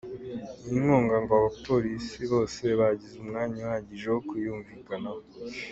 Iyi nkunga ngo abapolisi bose bagize umwanya uhagije wo kuyumvikanaho.